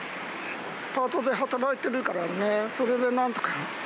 パートで働いてるからね、それでなんとか。